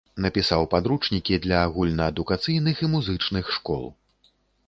Напісаў падручнікі для агульнаадукацыйных і музычных школ.